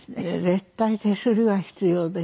絶対手すりは必要です。